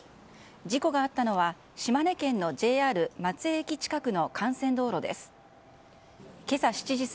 事故があったのは島根県のＪＲ松江駅近くの幹線道路です。